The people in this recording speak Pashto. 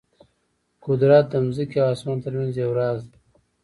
قدرت د ځمکې او اسمان ترمنځ یو راز دی.